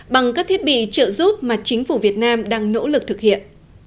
bằng các thiết bị trợ giúp mà chính phủ việt nam đang nỗ lực thực hiện